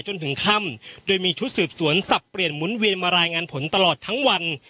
จนถึงค่ำโดยมีชุดสืบสวนสับเปลี่ยนหมุนเวียนมารายงานผลตลอดทั้งวัน